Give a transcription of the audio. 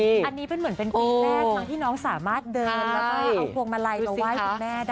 อันนี้เป็นเหมือนเป็นปีแรกทั้งที่น้องสามารถเดินแล้วก็เอาพวงมาลัยมาไหว้คุณแม่ได้